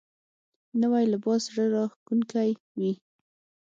نوی لباس زړه راښکونکی وي